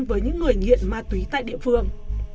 với những người nghiện ma túy tại địa phương